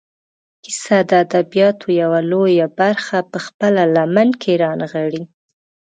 کیسه د ادبیاتو یوه لویه برخه په خپله لمن کې رانغاړي.